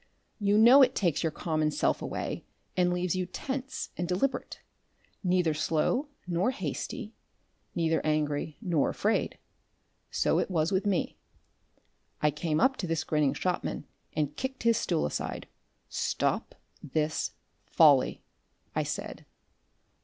You know it takes your common self away and leaves you tense and deliberate, neither slow nor hasty, neither angry nor afraid. So it was with me. I came up to this grinning shopman and kicked his stool aside. "Stop this folly!" I said.